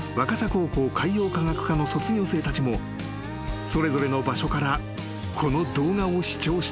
高校海洋科学科の卒業生たちもそれぞれの場所からこの動画を視聴していた］